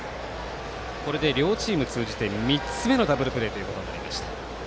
これで両チーム通じて３つ目のダブルプレーとなりました。